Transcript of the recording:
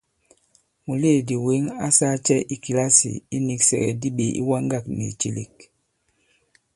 Mùleèdì wěŋ a sāā cɛ i kìlasì iniksɛ̀gɛ̀di ɓě iwaŋgâk nì ìcèlèk ?